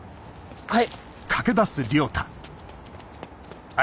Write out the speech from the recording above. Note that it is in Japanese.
はい！